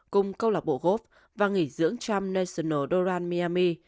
cùng câu lạc bộ gốc và nghỉ dưỡng trump national doral miami